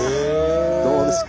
どうですか？